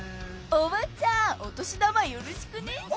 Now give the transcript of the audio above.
おばちゃんお年玉よろしくね。